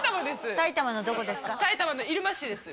埼玉のどこですか？